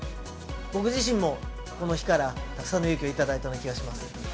僕自身もこの火からたくさんの勇気を頂いた気がします。